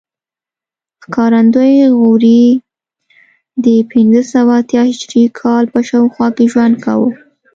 ښکارندوی غوري د پنځه سوه اتیا هجري کال په شاوخوا کې ژوند کاوه